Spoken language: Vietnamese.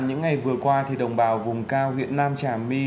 những ngày vừa qua thì đồng bào vùng cao việt nam trà my